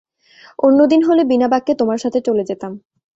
অন্য দিন হলে বিনা বাক্যে তোমার সাথে চলে যেতাম।